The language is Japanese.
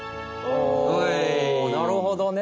なるほどね。